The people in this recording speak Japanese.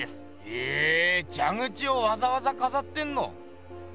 へぇじゃ口をわざわざかざってんの。